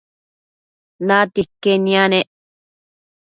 natia iquen yanec